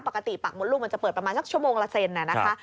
ปกติปากมดลูกมันจะเปิดประมาณสักชั่วโมงละเซนนะคะ